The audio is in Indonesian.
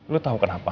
lo tau kenapa